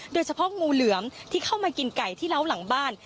โดยเฉพาะงูเหลือมที่เข้ามากินไก่ที่เล้าหลังบ้าน